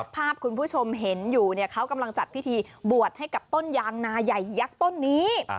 ภาพคุณผู้ชมเห็นอยู่เขากำลังจัดพิธีบวชให้กับต้นยางนาใหญ่ยักษ์ต้นนี้